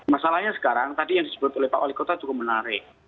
masalahnya sekarang tadi yang disebut oleh pak wali kota cukup menarik